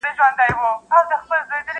o چي ښه وي، بد دي اور واخلي!